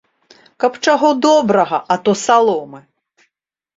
Каб чаго добрага, а то саломы!